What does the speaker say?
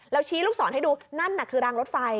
เราชี้ลูกสอนให้ดูนั่นน่ะคือรางรถไฟ